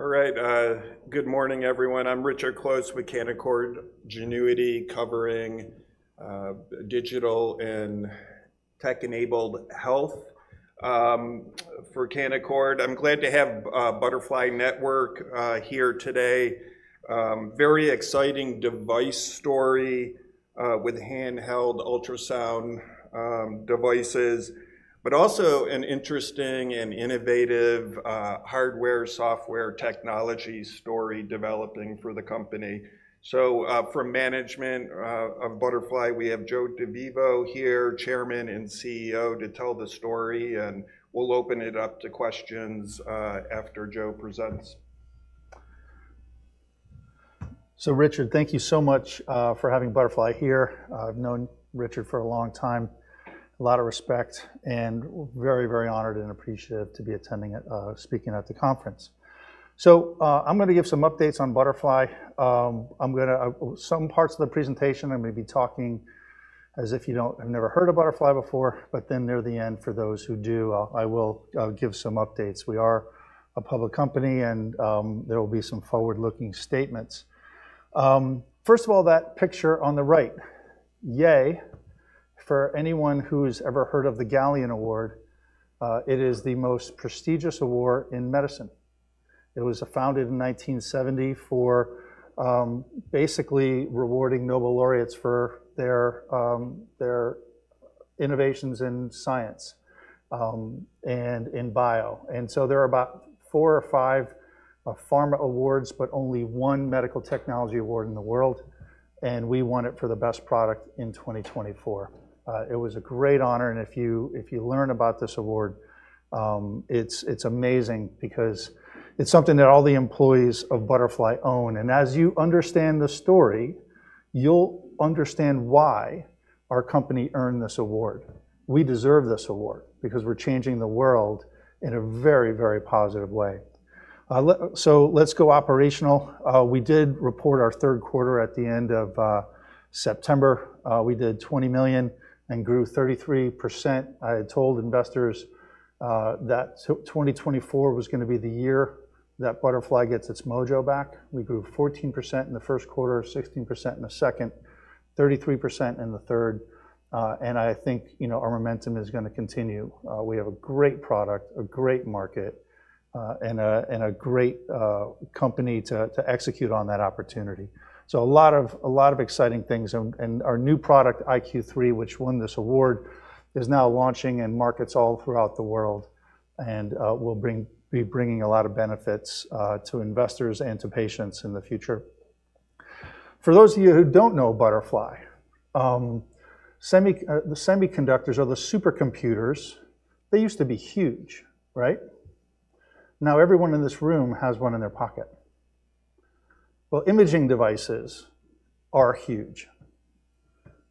All right, good morning, everyone. I'm Richard Close with Canaccord Genuity covering digital and tech-enabled health for Canaccord. I'm glad to have Butterfly Network here today. Very exciting device story with handheld ultrasound devices, but also an interesting and innovative hardware-software technology story developing for the company. So from management of Butterfly, we have Joseph DeVivo here, Chairman and CEO, to tell the story, and we'll open it up to questions after Joe presents. So Richard, thank you so much for having Butterfly here. I've known Richard for a long time, a lot of respect, and very, very honored and appreciative to be speaking at the conference. So I'm going to give some updates on Butterfly. Some parts of the presentation, I'm going to be talking as if you've never heard of Butterfly before, but then near the end, for those who do, I will give some updates. We are a public company, and there will be some forward-looking statements. First of all, that picture on the right, yay for anyone who's ever heard of the Galien Award. It is the most prestigious award in medicine. It was founded in 1970 for basically rewarding Nobel laureates for their innovations in science and in bio. There are about four or five pharma awards, but only one medical technology award in the world, and we won it for the best product in 2024. It was a great honor, and if you learn about this award, it's amazing because it's something that all the employees of Butterfly own. As you understand the story, you'll understand why our company earned this award. We deserve this award because we're changing the world in a very, very positive way. Let's go operational. We did report our Q3 at the end of September. We did $20 million and grew 33%. I had told investors that 2024 was going to be the year that Butterfly gets its mojo back. We grew 14% in the Q1, 16% in the second, 33% in the third. I think our momentum is going to continue. We have a great product, a great market, and a great company to execute on that opportunity. So a lot of exciting things and our new product, iQ3, which won this award, is now launching in markets all throughout the world and will be bringing a lot of benefits to investors and to patients in the future. For those of you who don't know Butterfly, the semiconductors or the supercomputers, they used to be huge, right? Now everyone in this room has one in their pocket. Well, imaging devices are huge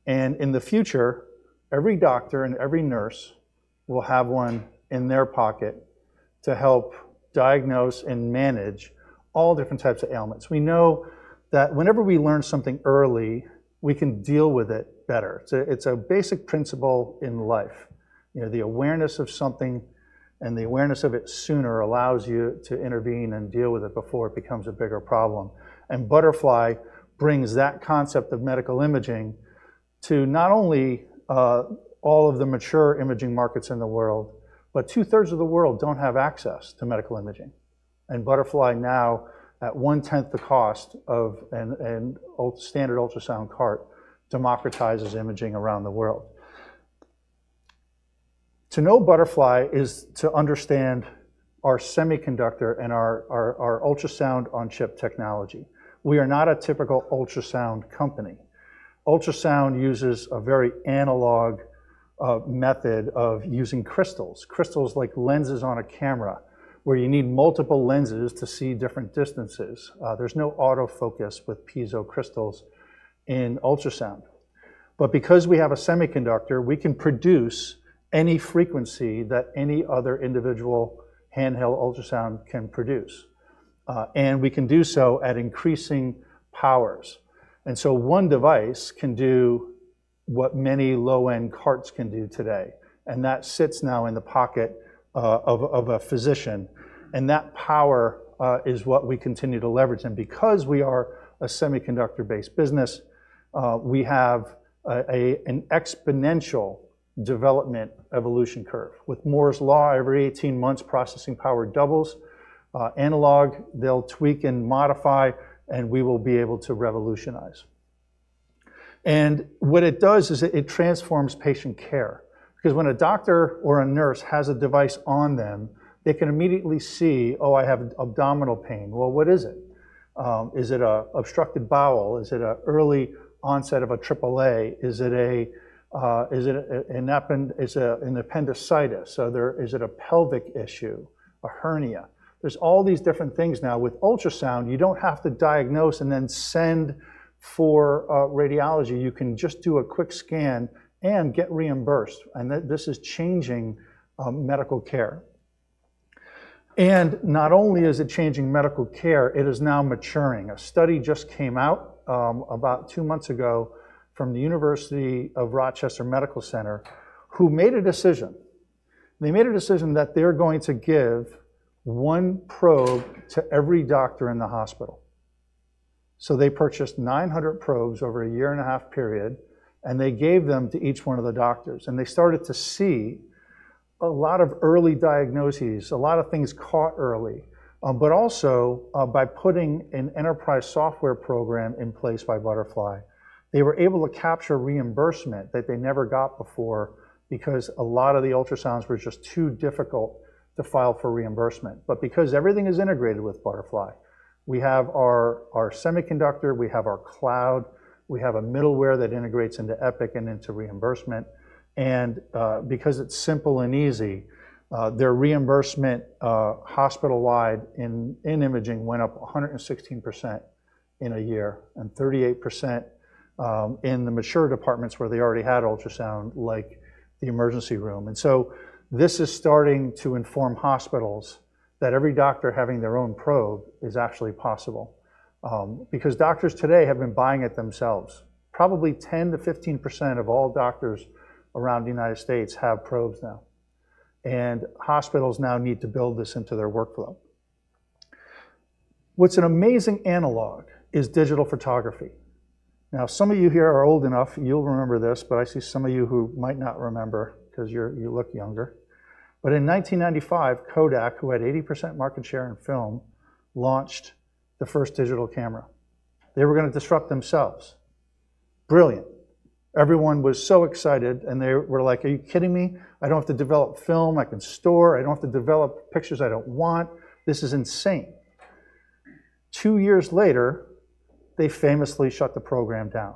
and in the future, every doctor and every nurse will have one in their pocket to help diagnose and manage all different types of ailments. We know that whenever we learn something early, we can deal with it better. It's a basic principle in life. The awareness of something and the awareness of it sooner allows you to intervene and deal with it before it becomes a bigger problem. And Butterfly brings that concept of medical imaging to not only all of the mature imaging markets in the world, but two-thirds of the world don't have access to medical imaging. And Butterfly now, at one-tenth the cost of a standard ultrasound cart, democratizes imaging around the world. To know Butterfly is to understand our semiconductor and our ultrasound-on-chip technology. We are not a typical ultrasound company. Ultrasound uses a very analog method of using crystals, crystals like lenses on a camera, where you need multiple lenses to see different distances. There's no autofocus with piezo crystals in ultrasound. But because we have a semiconductor, we can produce any frequency that any other individual handheld ultrasound can produce. And we can do so at increasing powers. One device can do what many low-end carts can do today. That sits now in the pocket of a physician. That power is what we continue to leverage. Because we are a semiconductor-based business, we have an exponential development evolution curve. With Moore's Law, every 18 months, processing power doubles. Analog, they'll tweak and modify, and we will be able to revolutionize. What it does is it transforms patient care. Because when a doctor or a nurse has a device on them, they can immediately see, oh, I have abdominal pain. Well, what is it? Is it an obstructed bowel? Is it an early onset of a triple A? Is it an appendicitis? So is it a pelvic issue, a hernia? There's all these different things now. With ultrasound, you don't have to diagnose and then send for radiology. You can just do a quick scan and get reimbursed. And this is changing medical care. And not only is it changing medical care, it is now maturing. A study just came out about two months ago from the University of Rochester Medical Center who made a decision. They made a decision that they're going to give one probe to every doctor in the hospital. So they purchased 900 probes over a year and a half period, and they gave them to each one of the doctors. And they started to see a lot of early diagnoses, a lot of things caught early. But also, by putting an enterprise software program in place by Butterfly, they were able to capture reimbursement that they never got before because a lot of the ultrasounds were just too difficult to file for reimbursement. But because everything is integrated with Butterfly, we have our semiconductor, we have our cloud, we have a middleware that integrates into Epic and into reimbursement. And because it's simple and easy, their reimbursement hospital-wide in imaging went up 116% in a year and 38% in the mature departments where they already had ultrasound, like the emergency room. And so this is starting to inform hospitals that every doctor having their own probe is actually possible. Because doctors today have been buying it themselves. Probably 10%-15% of all doctors around the United States have probes now. And hospitals now need to build this into their workflow. What's an amazing analog is digital photography. Now, some of you here are old enough, you'll remember this, but I see some of you who might not remember because you look younger. In 1995, Kodak, who had 80% market share in film, launched the first digital camera. They were going to disrupt themselves. Brilliant. Everyone was so excited, and they were like, are you kidding me? I don't have to develop film. I can store. I don't have to develop pictures I don't want. This is insane. Two years later, they famously shut the program down.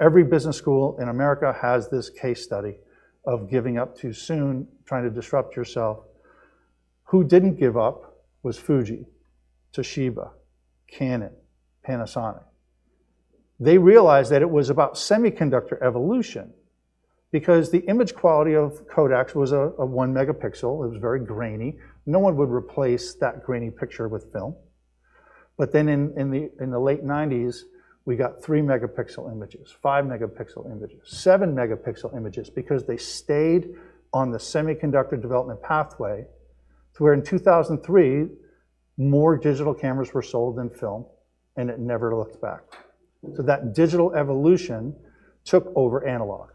Every business school in America has this case study of giving up too soon, trying to disrupt yourself. Who didn't give up was Fuji, Toshiba, Canon, Panasonic. They realized that it was about semiconductor evolution because the image quality of Kodak's was a one-megapixel. It was very grainy. No one would replace that grainy picture with film. But then in the late '90s, we got three-megapixel images, five-megapixel images, seven-megapixel images because they stayed on the semiconductor development pathway to where in 2003, more digital cameras were sold than film, and it never looked back. So that digital evolution took over analog.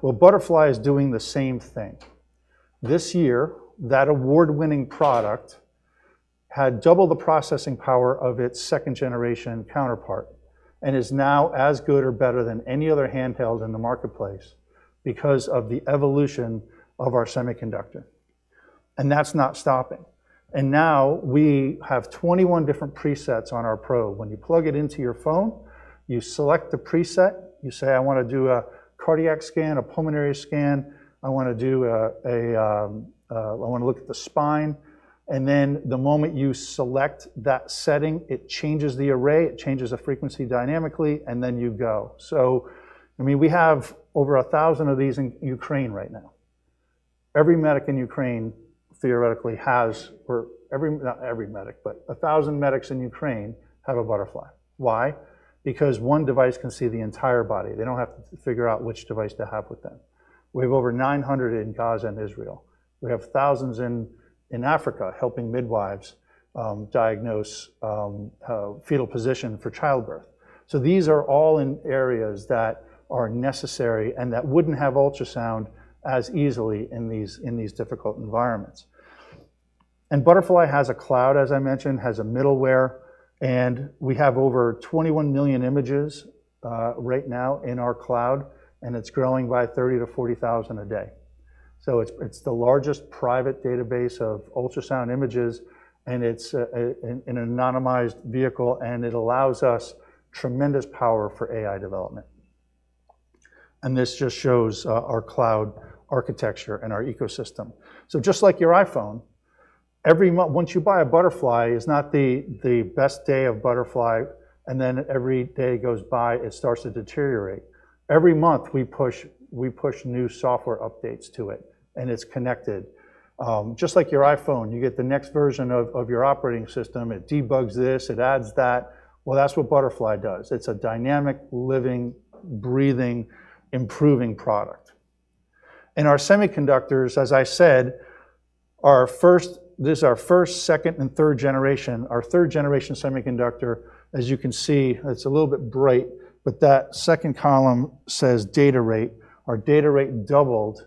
Well, Butterfly is doing the same thing. This year, that award-winning product had double the processing power of its second-generation counterpart and is now as good or better than any other handheld in the marketplace because of the evolution of our semiconductor. And that's not stopping. And now we have 21 different presets on our probe. When you plug it into your phone, you select the preset. You say, I want to do a cardiac scan, a pulmonary scan. I want to do a, I want to look at the spine. And then the moment you select that setting, it changes the array, it changes the frequency dynamically, and then you go. So I mean, we have over 1,000 of these in Ukraine right now. Every medic in Ukraine theoretically has, or every, not every medic, but 1,000 medics in Ukraine have a Butterfly. Why? Because one device can see the entire body. They don't have to figure out which device to have with them. We have over 900 in Gaza and Israel. We have thousands in Africa helping midwives diagnose fetal position for childbirth. So these are all in areas that are necessary and that wouldn't have ultrasound as easily in these difficult environments. And Butterfly has a cloud, as I mentioned, has a middleware, and we have over 21 million images right now in our cloud, and it's growing by 30,000-40,000 a day. It's the largest private database of ultrasound images, and it's an anonymized vehicle, and it allows us tremendous power for AI development. This just shows our cloud architecture and our ecosystem. Just like your iPhone, every month, once you buy a Butterfly, it's not the best day of Butterfly, and then every day goes by, it starts to deteriorate. Every month, we push new software updates to it, and it's connected. Just like your iPhone, you get the next version of your operating system. It debugs this. It adds that. Well, that's what Butterfly does. It's a dynamic, living, breathing, improving product. Our semiconductors, as I said, this is our first, second, and third generation. Our third generation semiconductor, as you can see, it's a little bit bright, but that second column says data rate. Our data rate doubled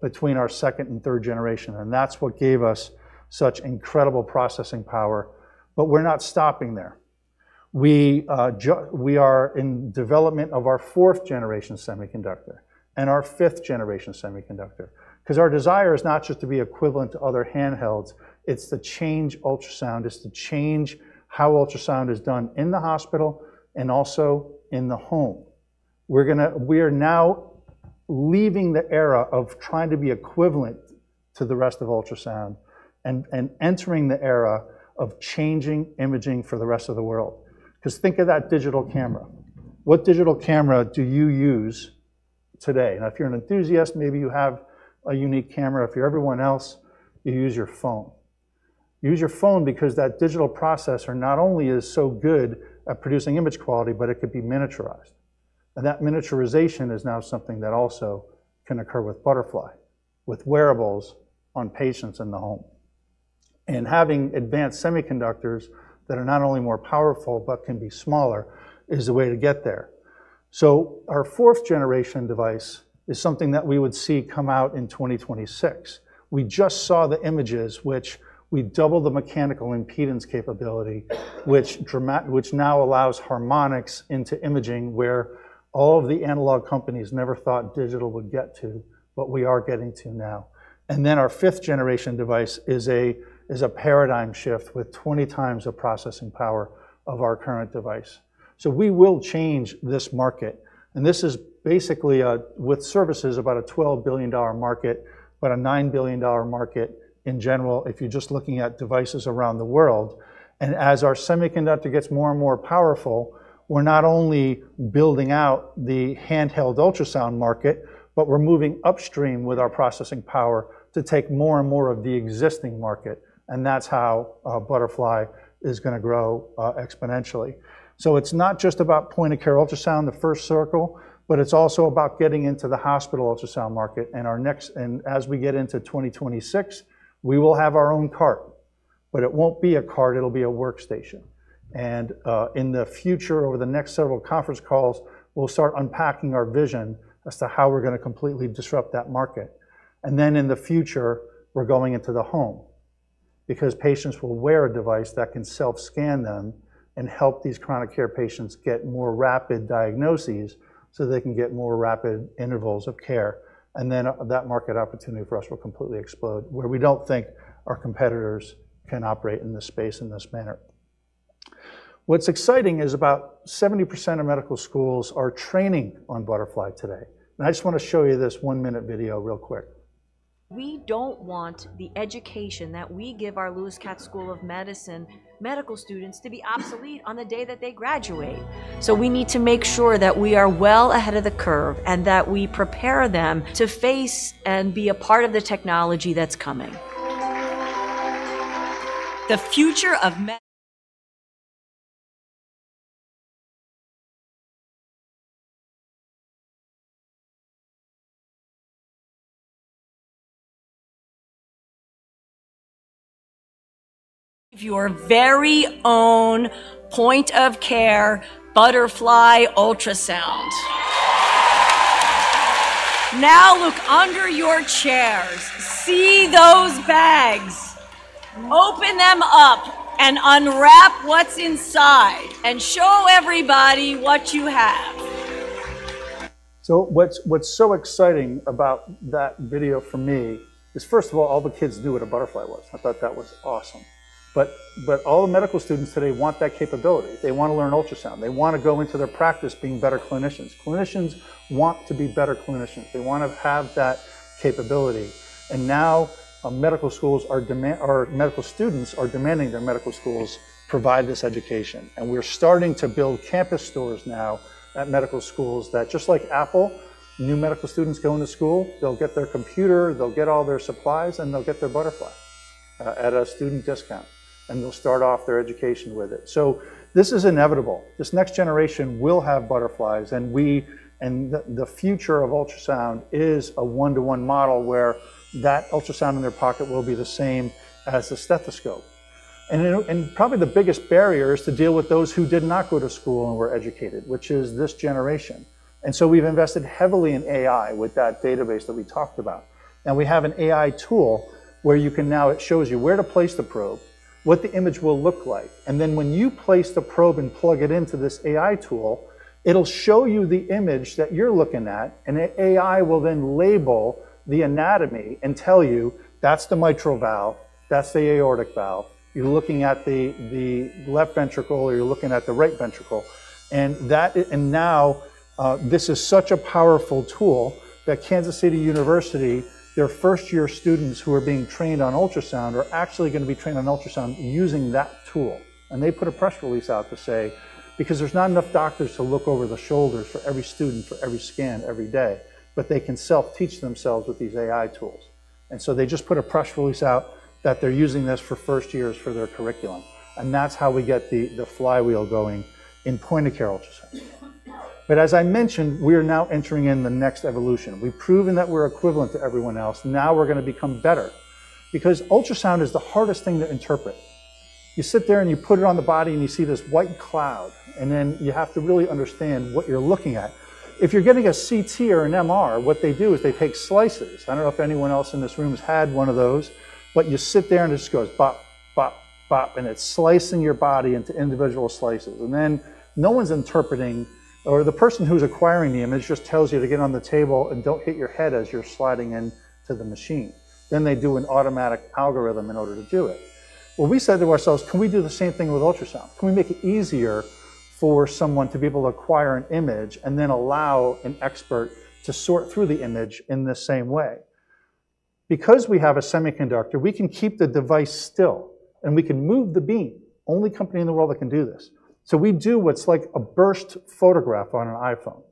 between our second and third generation, and that's what gave us such incredible processing power. But we're not stopping there. We are in development of our fourth generation semiconductor and our fifth generation semiconductor. Because our desire is not just to be equivalent to other handhelds. It's to change ultrasound. It's to change how ultrasound is done in the hospital and also in the home. We're now leaving the era of trying to be equivalent to the rest of ultrasound and entering the era of changing imaging for the rest of the world. Because think of that digital camera. What digital camera do you use today? Now, if you're an enthusiast, maybe you have a unique camera. If you're everyone else, you use your phone. Use your phone because that digital processor not only is so good at producing image quality, but it could be miniaturized. And that miniaturization is now something that also can occur with Butterfly, with wearables on patients in the home. And having advanced semiconductors that are not only more powerful, but can be smaller is a way to get there. So our fourth generation device is something that we would see come out in 2026. We just saw the images, which we doubled the mechanical impedance capability, which now allows harmonics into imaging where all of the analog companies never thought digital would get to, but we are getting to now. And then our fifth generation device is a paradigm shift with 20 times the processing power of our current device. So we will change this market. And this is basically, with services, about a $12 billion market, but a $9 billion market in general if you're just looking at devices around the world. And as our semiconductor gets more and more powerful, we're not only building out the handheld ultrasound market, but we're moving upstream with our processing power to take more and more of the existing market. And that's how Butterfly is going to grow exponentially. So it's not just about point-of-care ultrasound, the first circle, but it's also about getting into the hospital ultrasound market. And as we get into 2026, we will have our own cart. But it won't be a cart. It'll be a workstation. And in the future, over the next several conference calls, we'll start unpacking our vision as to how we're going to completely disrupt that market. And then in the future, we're going into the home because patients will wear a device that can self-scan them and help these chronic care patients get more rapid diagnoses so they can get more rapid intervals of care. And then that market opportunity for us will completely explode where we don't think our competitors can operate in this space in this manner. What's exciting is about 70% of medical schools are training on Butterfly today. And I just want to show you this one-minute video real quick. We don't want the education that we give our Lewis Katz School of Medicine medical students to be obsolete on the day that they graduate. So we need to make sure that we are well ahead of the curve and that we prepare them to face and be a part of the technology that's coming. The future of. Your very own point-of-care Butterfly ultrasound. Now look under your chairs. See those bags? Open them up and unwrap what's inside and show everybody what you have. So what's so exciting about that video for me is, first of all, all the kids knew what a Butterfly was. I thought that was awesome. But all the medical students today want that capability. They want to learn ultrasound. They want to go into their practice being better clinicians. Clinicians want to be better clinicians. They want to have that capability. And now medical schools are demanding, or medical students are demanding that medical schools provide this education. And we're starting to build campus stores now at medical schools that, just like Apple, new medical students go into school, they'll get their computer, they'll get all their supplies, and they'll get their Butterfly at a student discount. And they'll start off their education with it. So this is inevitable. This next generation will have Butterflies. And the future of ultrasound is a one-to-one model where that ultrasound in their pocket will be the same as the stethoscope. And probably the biggest barrier is to deal with those who did not go to school and were educated, which is this generation. And so we've invested heavily in AI with that database that we talked about. And we have an AI tool where you can now. It shows you where to place the probe, what the image will look like. And then when you place the probe and plug it into this AI tool, it'll show you the image that you're looking at. And AI will then label the anatomy and tell you, that's the mitral valve, that's the aortic valve. You're looking at the left ventricle or you're looking at the right ventricle. Now this is such a powerful tool that Kansas City University, their first-year students who are being trained on ultrasound are actually going to be trained on ultrasound using that tool. They put a press release out to say, because there's not enough doctors to look over the shoulders for every student, for every scan, every day, but they can self-teach themselves with these AI tools. They just put a press release out that they're using this for first years for their curriculum. That's how we get the flywheel going in point-of-care ultrasound. As I mentioned, we are now entering in the next evolution. We've proven that we're equivalent to everyone else. Now we're going to become better because ultrasound is the hardest thing to interpret. You sit there and you put it on the body and you see this white cloud. And then you have to really understand what you're looking at. If you're getting a CT/MRI, what they do is they take slices. I don't know if anyone else in this room has had one of those. But you sit there and it just goes bop, bop, bop, and it's slicing your body into individual slices. And then no one's interpreting, or the person who's acquiring the image just tells you to get on the table and don't hit your head as you're sliding into the machine. Then they do an automatic algorithm in order to do it. Well, we said to ourselves, can we do the same thing with ultrasound? Can we make it easier for someone to be able to acquire an image and then allow an expert to sort through the image in the same way? Because we have a semiconductor, we can keep the device still and we can move the beam. Only company in the world that can do this. So we do what's like a burst photograph on an iPhone.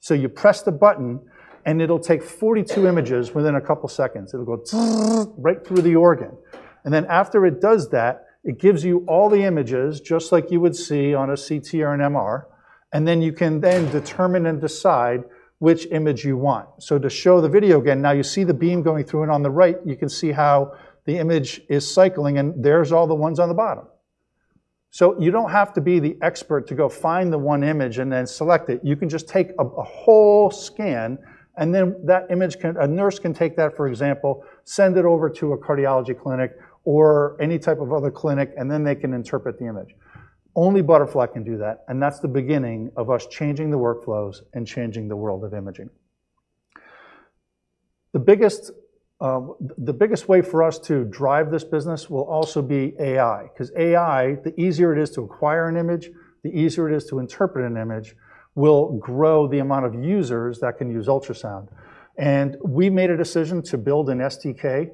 So you press the button and it'll take 42 images within a couple of seconds. It'll go right through the organ. And then after it does that, it gives you all the images just like you would see on a CT/MRI. And then you can then determine and decide which image you want. So to show the video again, now you see the beam going through it on the right. You can see how the image is cycling and there's all the ones on the bottom. So you don't have to be the expert to go find the one image and then select it. You can just take a whole scan, and then that image can, a nurse can take that, for example, send it over to a cardiology clinic or any type of other clinic, and then they can interpret the image. Only Butterfly can do that, and that's the beginning of us changing the workflows and changing the world of imaging. The biggest way for us to drive this business will also be AI. Because AI, the easier it is to acquire an image, the easier it is to interpret an image, will grow the amount of users that can use ultrasound, and we made a decision to build an SDK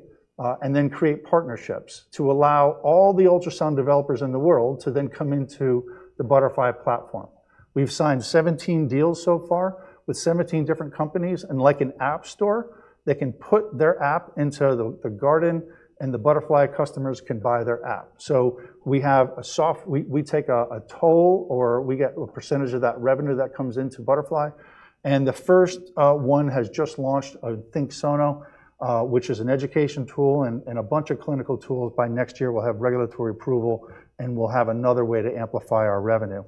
and then create partnerships to allow all the ultrasound developers in the world to then come into the Butterfly platform. We've signed 17 deals so far with 17 different companies and, like an app store, they can put their app into the Garden and the Butterfly customers can buy their app. So we have a store, we take a toll or we get a percentage of that revenue that comes into Butterfly. And the first one has just launched a ThinkSono, which is an education tool and a bunch of clinical tools. By next year, we'll have regulatory approval and we'll have another way to amplify our revenue.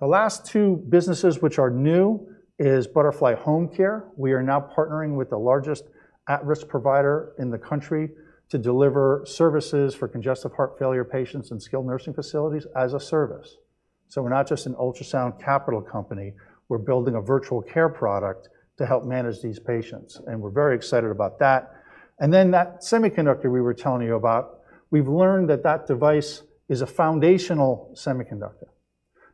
The last two businesses which are new is Butterfly Home Care. We are now partnering with the largest at-risk provider in the country to deliver services for congestive heart failure patients and skilled nursing facilities as a service. So we're not just an ultrasound capital company. We're building a virtual care product to help manage these patients. And we're very excited about that. And then that semiconductor we were telling you about, we've learned that that device is a foundational semiconductor.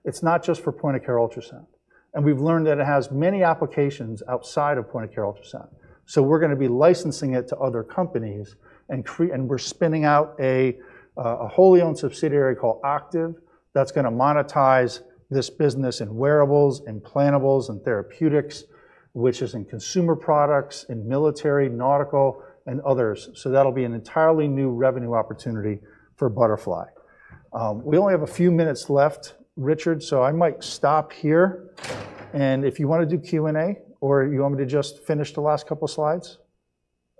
It's not just for point-of-care ultrasound. And we've learned that it has many applications outside of point-of-care ultrasound. So we're going to be licensing it to other companies and we're spinning out a wholly owned subsidiary called Octiv that's going to monetize this business in wearables, implantables, and therapeutics, which is in consumer products, in military, nautical, and others. So that'll be an entirely new revenue opportunity for Butterfly. We only have a few minutes left, Richard, so I might stop here. And if you want to do Q&A or you want me to just finish the last couple of slides.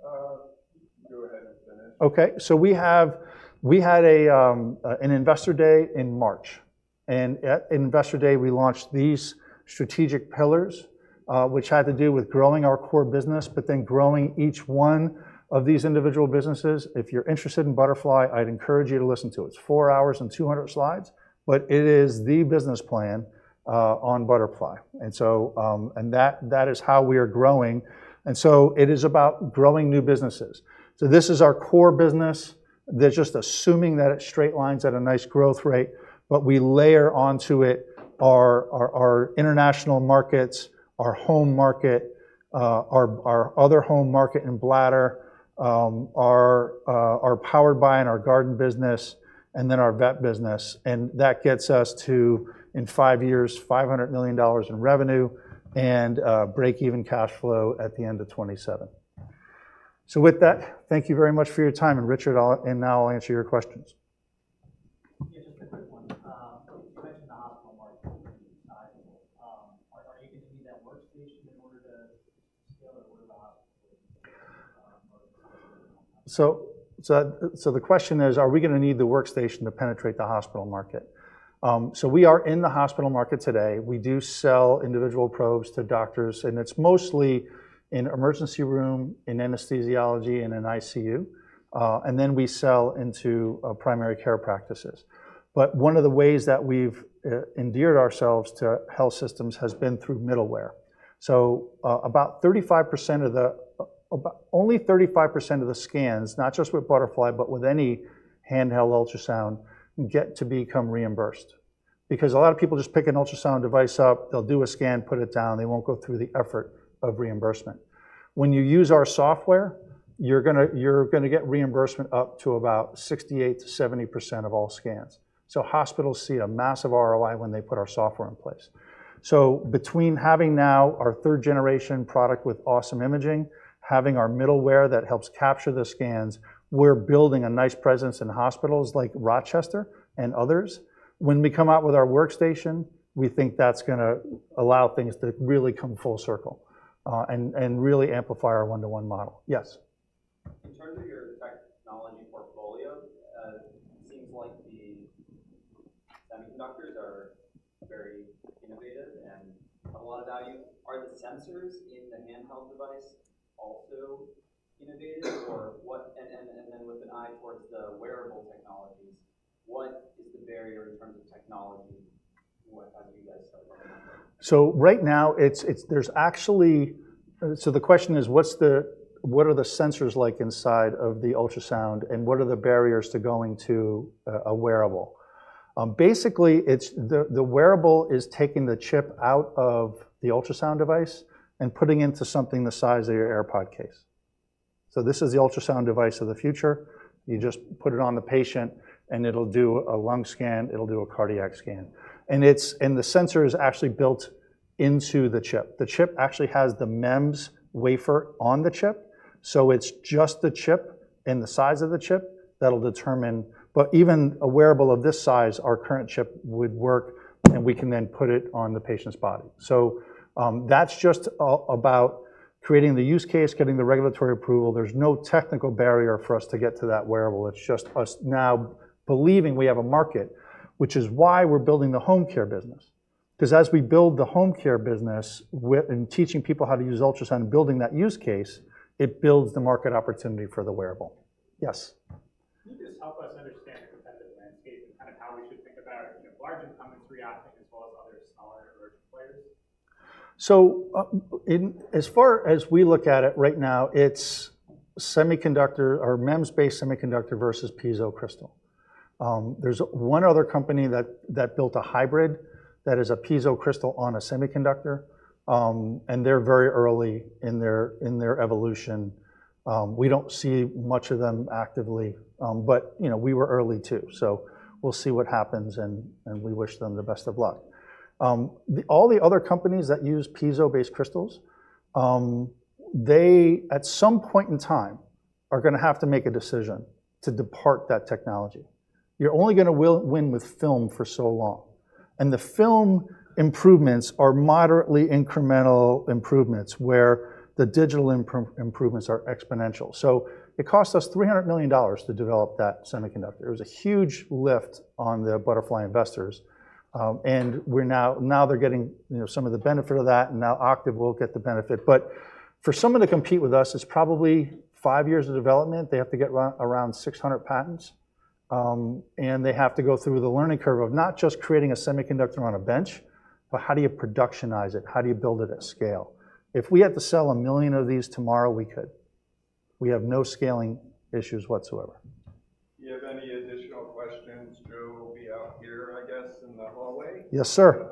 Go ahead and finish. Okay. So we had an investor day in March. At investor day, we launched these strategic pillars, which had to do with growing our core business, but then growing each one of these individual businesses. If you're interested in Butterfly, I'd encourage you to listen to it. It's four hours and 200 slides, but it is the business plan on Butterfly. And that is how we are growing. And so it is about growing new businesses. So this is our core business. They're just assuming that it straight lines at a nice growth rate, but we layer onto it our international markets, our home care, our other home care and bladder, our powered by and our garden business, and then our vet business. And that gets us to, in five years, $500 million in revenue and break-even cash flow at the end of 2027. So with that, thank you very much for your time. Richard, now I'll answer your questions. Just a quick one. You mentioned the hospital market is insatiable. Are you going to need that workstation in order to scale it or the hospital market? The question is, are we going to need the workstation to penetrate the hospital market? We are in the hospital market today. We do sell individual probes to doctors, and it's mostly in emergency room, in anesthesiology, and in ICU. And then we sell into primary care practices. But one of the ways that we've endeared ourselves to health systems has been through middleware. About the only 35% of the scans, not just with Butterfly, but with any handheld ultrasound, get to become reimbursed. Because a lot of people just pick an ultrasound device up, they'll do a scan, put it down, they won't go through the effort of reimbursement. When you use our software, you're going to get reimbursement up to about 68%-70% of all scans. So hospitals see a massive ROI when they put our software in place. So between having now our third-generation product with awesome imaging, having our middleware that helps capture the scans, we're building a nice presence in hospitals like Rochester and others. When we come out with our workstation, we think that's going to allow things to really come full circle and really amplify our one-to-one model. Yes. In terms of your technology portfolio, it seems like the semiconductors are very innovative and have a lot of value. Are the sensors in the handheld device also innovative? And then with an eye towards the wearable technologies, what is the barrier in terms of technology? How do you guys start looking at that? So right now, there's actually so the question is, what are the sensors like inside of the ultrasound and what are the barriers to going to a wearable? Basically, the wearable is taking the chip out of the ultrasound device and putting it into something the size of your AirPod case. So this is the ultrasound device of the future. You just put it on the patient and it'll do a lung scan, it'll do a cardiac scan. And the sensor is actually built into the chip. The chip actually has the MEMS wafer on the chip. So it's just the chip and the size of the chip that'll determine, but even a wearable of this size, our current chip would work and we can then put it on the patient's body. So that's just about creating the use case, getting the regulatory approval. There's no technical barrier for us to get to that wearable. It's just us now believing we have a market, which is why we're building the home care business. Because as we build the home care business and teaching people how to use ultrasound and building that use case, it builds the market opportunity for the wearable. Yes. Can you just help us understand the competitive landscape and kind of how we should think about large incumbents reacting as well as other smaller emerging players? So as far as we look at it right now, it's semiconductor or MEMS-based semiconductor versus piezo crystal. There's one other company that built a hybrid that is a piezo crystal on a semiconductor, and they're very early in their evolution. We don't see much of them actively, but we were early too. So we'll see what happens and we wish them the best of luck. All the other companies that use piezo-based crystals, they at some point in time are going to have to make a decision to depart that technology. You're only going to win with film for so long. And the film improvements are moderately incremental improvements where the digital improvements are exponential. So it cost us $300 million to develop that semiconductor. It was a huge lift on the Butterfly investors. And now they're getting some of the benefit of that. Now Octiv will get the benefit. But for someone to compete with us, it's probably five years of development. They have to get around 600 patents. And they have to go through the learning curve of not just creating a semiconductor on a bench, but how do you productionize it? How do you build it at scale? If we had to sell a million of these tomorrow, we could. We have no scaling issues whatsoever. Do you have any additional questions, Joe? We'll be out here, I guess, in the hallway. Yes, sir.